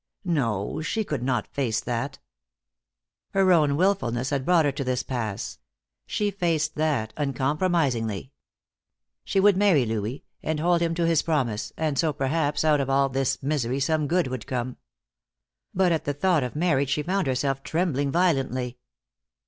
No, she could not face that. Her own willfulness had brought her to this pass; she faced that uncompromisingly. She would marry Louis, and hold him to his promise, and so perhaps out of all this misery some good would come. But at the thought of marriage she found herself trembling violently.